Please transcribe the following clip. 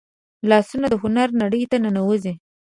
لاسونه د هنر نړۍ ته ننوځي